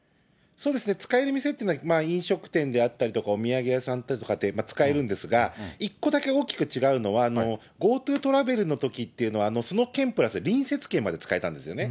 そうですね、使える店というのは、飲食店であったりとか、お土産屋さんとかで使えるんですが、一個だけ大きく違うのは、ＧｏＴｏトラベルのときっていうのは、その県プラス隣接県まで使えたんですよね。